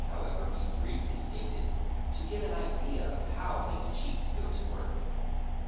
ciel AMAL OR _ however be briefly stated, to give an idea of how these cheats go to work.